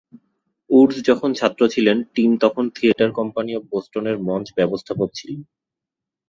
Woods যখন ছাত্র ছিলেন, টিম তখন থিয়েটার কোম্পানি অব বোস্টনের মঞ্চ ব্যবস্থাপক ছিলেন।